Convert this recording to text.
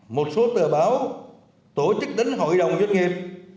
một số tờ báo tổ chức tính hội đồng doanh nghiệp